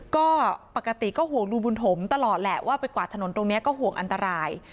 ก็ปกติก็ห่วงดูบุญถมตลอดแหละว่าไปกวาดถนนตรงนี้ก็ห่วงอันตราย